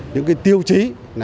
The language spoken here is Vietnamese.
những tiêu chí